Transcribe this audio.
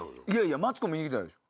マツコ見に来たんでしょ？